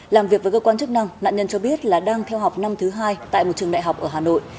làm việc với cơ quan chức năng nạn nhân cho biết là đang theo học năm thứ hai tại một trường đại học ở hà nội